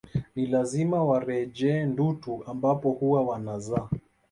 Ni lazima warejee Ndutu ambapo huwa wanazaa